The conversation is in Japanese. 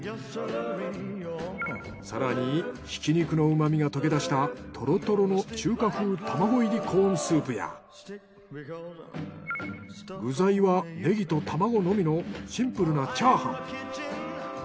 更にひき肉のうまみが溶け出したトロトロの具材はネギと卵のみのシンプルなチャーハン。